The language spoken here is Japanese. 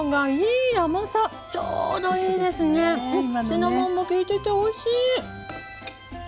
シナモンもきいてておいしい！